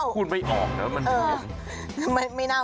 พูดไม่ออกนะ